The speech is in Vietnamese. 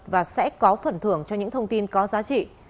và sẽ có phần thưởng cho những thông tin có giá trị